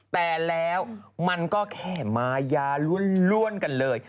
แต่แล้วมันก็แค่มายาล้วนกันเลย